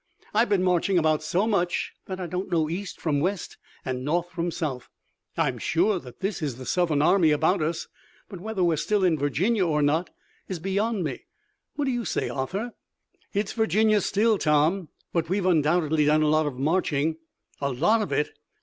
I've been marching about so much that I don't know east from west and north from south. I'm sure that this is the Southern army about us, but whether we're still in Virginia or not is beyond me. What do you say, Arthur?" "It's Virginia still, Tom, but we've undoubtedly done a lot of marching." "A lot of it!